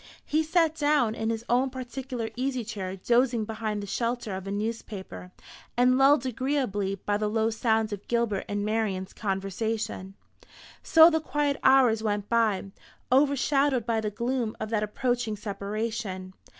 He sat down in his own particular easy chair, dozing behind the shelter of a newspaper, and lulled agreeably by the low sound of Gilbert and Marian's conversation. So the quiet hours went by, overshadowed by the gloom of that approaching separation.